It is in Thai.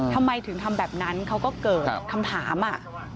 ทำไมถึงทำแบบนั้นเขาก็เกิดคำถาม